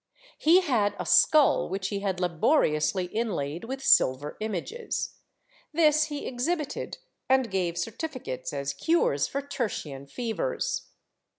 He had a skull which he had laboriously inlaid with silver images; this he exhibited and gave certificates as cures for tertian fevers.